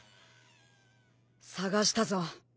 捜したぞ。